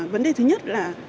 vấn đề thứ nhất là